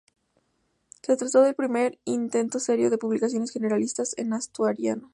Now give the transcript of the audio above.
Se trató del primer intento serio de publicación generalista en asturiano.